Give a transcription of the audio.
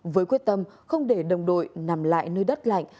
với quyết tâm không để đồng đội nằm lại nơi đất lạnh